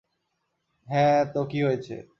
হ্যাঁ, তো কী হয়েছে?